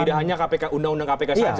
tidak hanya undang undang kpk saja ya